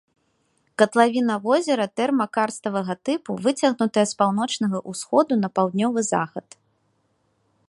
Катлавіна возера тэрмакарставага тыпу выцягнутая з паўночнага ўсходу на паўднёвы захад.